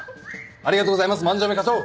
ありがとうございます万城目課長。